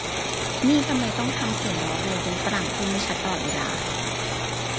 นี่ทำไมต้องทำเสียงล้อเลียนเป็นฝรั่งพูดไม่ชัดตลอดเวลา